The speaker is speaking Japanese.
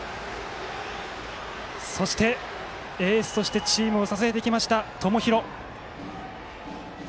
そして、エースとしてチームを支えてきました、友廣。